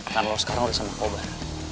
karena lo sekarang udah sama kobar